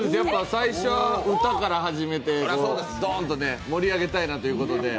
最初は歌から初めてどーんと盛り上げたいなと。